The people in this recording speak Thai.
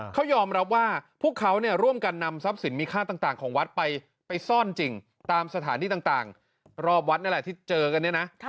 เขายอมรับว่าพวกเขาเนี่ยร่วมกันนำทรัพย์สินมีค่าต่างของวัดไปซ่อนจริงตามสถานที่ต่างรอบวัดนั่นแหละที่เจอกันเนี่ยนะ